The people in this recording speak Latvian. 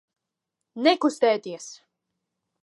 Nekustēties!